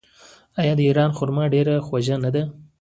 آیا د ایران خرما ډیره خوږه نه ده؟